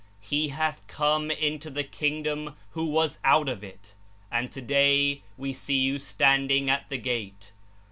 He hath come into the Kingdom who was out of it, and today We see you standing at the gate.